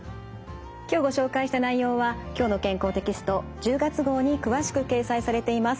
今日ご紹介した内容は「きょうの健康」テキスト１０月号に詳しく掲載されています。